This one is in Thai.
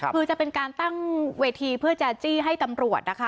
คือจะเป็นการตั้งเวทีเพื่อจะจี้ให้ตำรวจนะคะ